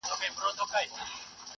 کوچیان بې کلتوره نه دي.